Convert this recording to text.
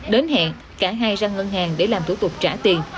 đến hẹn cả hai ra ngân hàng để làm thủ tục trả tiền